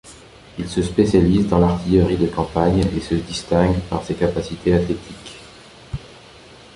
Il se spécialise dans l'artillerie de campagne et se distingue par ses capacités athlétiques.